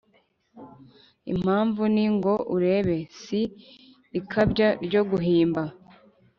Impamvu ni ngo urebe! Si ikabya ryo guhimba